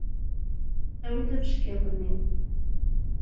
Awi-d abeckiḍ-nni!